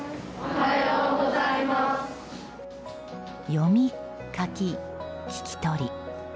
読み、書き、聞き取り。